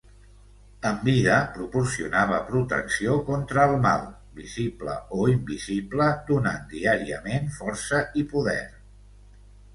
En vida proporcionava protecció contra el mal, visible o invisible, donant diàriament força i poder.